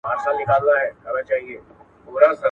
د مېندو روغتیا د ټولني روغتیا ده.